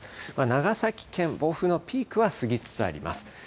長崎県、暴風のピークは過ぎつつあります。